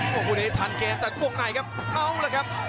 พวกนี้ทันเกณฑ์แต่พวกไหนครับเอาล่ะครับ